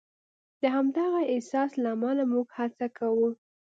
د همدغه احساس له امله موږ هڅه کوو.